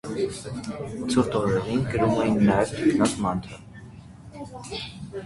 Ցուրտ օրերին կրում էին նաև թիկնոց՝ մանթա։